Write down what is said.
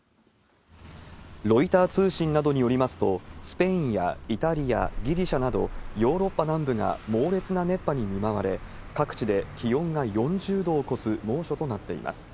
ロイター通信などによりますと、スペインやイタリア、ギリシャなど、ヨーロッパ南部が猛烈な熱波に見舞われ、各地で気温が４０度を超す猛暑となっています。